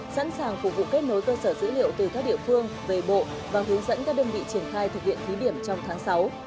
sẵn sàng phục vụ kết nối cơ sở dữ liệu từ các địa phương về bộ và hướng dẫn các đơn vị triển khai thực hiện thí điểm trong tháng sáu